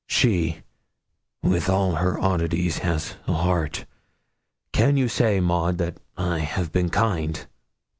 She, with all her oddities, has a heart. Can you say, Maud, that I have been kind?'